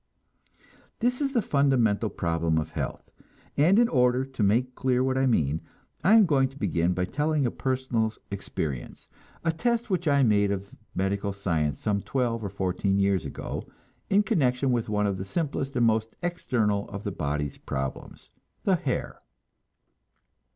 This is the fundamental problem of health; and in order to make clear what I mean, I am going to begin by telling a personal experience, a test which I made of medical science some twelve or fourteen years ago, in connection with one of the simplest and most external of the body's problems the hair.